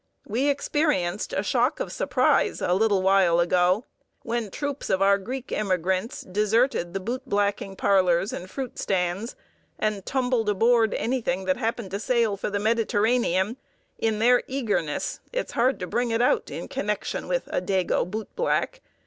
We experienced a shock of surprise, a little while ago, when troops of our Greek immigrants deserted the bootblacking parlors and fruit stands and tumbled aboard anything that happened to sail for the Mediterranean, in their eagerness it's hard to bring it out, in connection with a "Dago" bootblack!